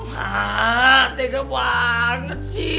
ma tega banget sih